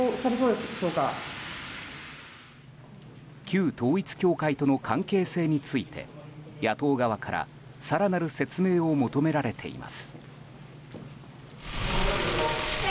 旧統一教会との関係性について野党側から更なる説明を求められています。